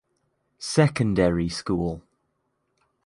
Secondary School.